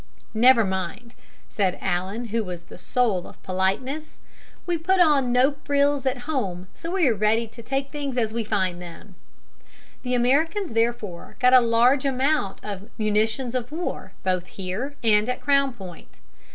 "Never mind," said Allen, who was the soul of politeness. "We put on no frills at home, and so we are ready to take things as we find them." The Americans therefore got a large amount of munitions of war, both here and at Crown Point.